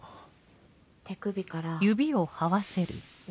手首から腕。